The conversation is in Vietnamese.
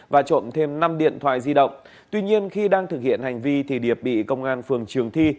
và trộm thêm năm điện thoại di động tuy nhiên khi đang thực hiện hành vi thì điệp bị công an phường trường thi